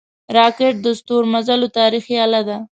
راکټ د ستورمزلو تاریخي اله ده